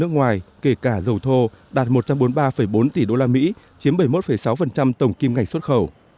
ngoài kể cả dầu thô đạt một trăm bốn mươi ba bốn tỷ đô la mỹ chiếm bảy mươi một sáu tổng kim ngạch xuất khẩu